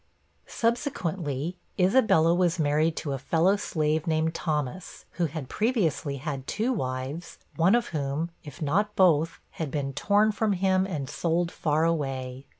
Subsequently, Isabella was married to a fellow slave, named Thomas, who had previously had two wives, one of whom, if not both, had been torn from him and sold far away.